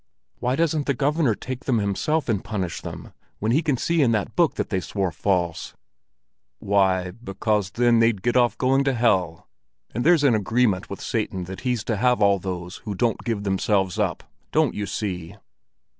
"Why doesn't the Governor take them himself and punish them, when he can see in that book that they swore false?" "Why, because then they'd get off going to hell, and there's an agreement with Satan that he's to have all those that don't give themselves up, don't you see?"